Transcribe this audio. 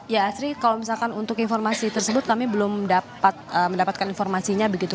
ya asri kalau misalkan untuk informasi tersebut kami belum dapat mendapatkan informasinya begitu